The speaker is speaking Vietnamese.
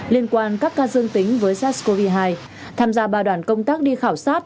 liên quan các ca dương tính với sars cov hai tham gia ba đoàn công tác đi khảo sát